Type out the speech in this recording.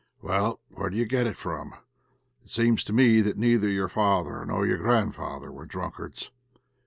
"Well, where do you get it from? It seems to me that neither your father nor your grandfather were drunkards.